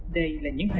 đây là những hình ảnh